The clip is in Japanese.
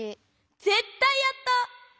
ぜったいやった！